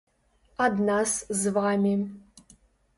Ад нас з вамі.